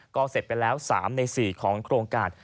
ก็เสร็จไปแล้ว๓ใน๔ของโครงการ